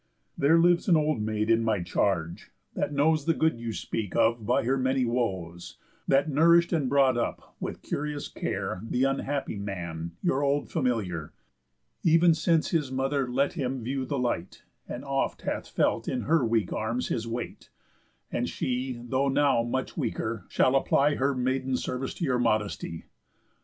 There lives an old maid in my charge that knows The good you speak of by her many woes; That nourish'd and brought up, with curious care, Th' unhappy man; your old familiar, Ev'n since his mother let him view the light, And oft hath felt in her weak arms his weight; And she, though now much weaker, shall apply Her maiden service to your modesty.